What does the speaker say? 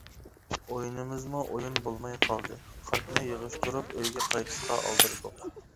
ئويۇنىمىزمۇ ئويۇن بولماي قالدى، قارتىنى يىغىشتۇرۇپ، ئۆيگە قايتىشقا ئالدىرىدۇق.